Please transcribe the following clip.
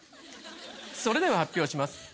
それでは発表します。